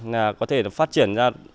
là có thể phát triển ra